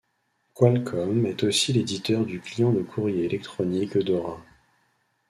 Qualcomm est aussi l'éditeur du client de courrier électronique Eudora.